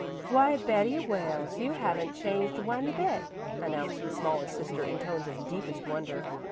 "Why, Betty Wales, you haven't changed one bit," announced the smallest sister in tones of deepest wonder.